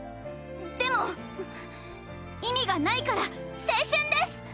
でも意味がないから青春です！